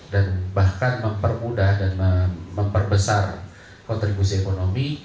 dan bahkan mempermudah dan memperbesar kontribusi ekonomi